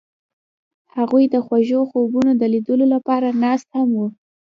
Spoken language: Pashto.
هغوی د خوږ خوبونو د لیدلو لپاره ناست هم وو.